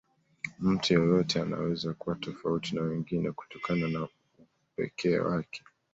Mtu yeyote anaweza kuwa tofauti na wengine kutokana na upekee wake